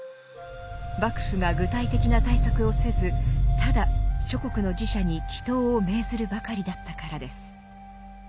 幕府が具体的な対策をせずただ諸国の寺社に祈祷を命ずるばかりだったからです。